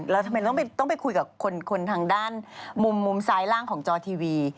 แล้วทำไมต้องไปคุยกับคนทางด้านมุมซ้ายล่างของจอทีวี